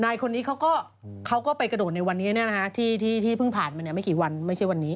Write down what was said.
นายคนนี้เขาก็ไปกระโดดในวันนี้ที่เพิ่งผ่านมาไม่กี่วันไม่ใช่วันนี้